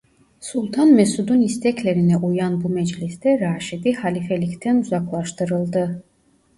Sultan Mesud'un isteklerine uyan bu mecliste Raşid'i halifelikten uzaklaştırıldı.